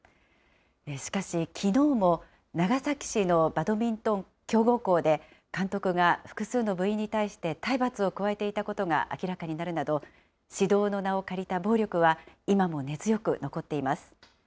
しかし、きのうも長崎市のバドミントン強豪校で、監督が複数の部員に対して体罰を加えていたことが明らかになるなど、指導の名を借りた暴力は、今も根強く残っています。